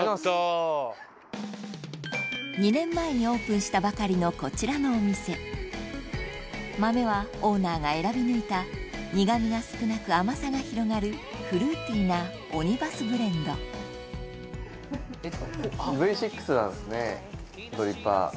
２年前にオープンしたばかりのこちらのお店豆はオーナーが選び抜いた苦味が少なく甘さが広がるフルーティーなオニバスブレンドそうなんです。